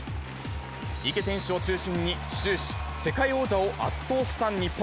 池選手を中心に、終始、世界王者を圧倒した日本。